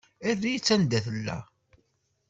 Err-itt anda tella.